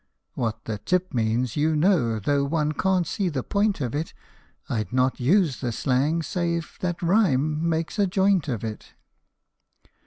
(What " the tip " means you know, though one can't see the point of it. I 'd not use the slang, save that rhyme makes a joint of it.)